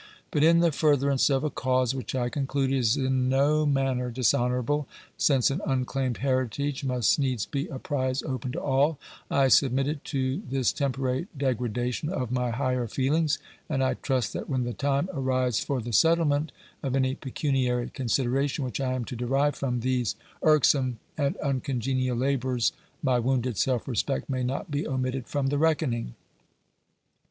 But in the furtherance of a cause which I conclude is in no manner dishonourable, since an unclaimed heritage must needs be a prize open to all, I submitted to this temporary degradation of my higher feelings, and I trust that when the time arrives for the settlement of any pecuniary consideration which I am to derive from these irksome and uncongenial labours, my wounded self respect may not be omitted from the reckoning.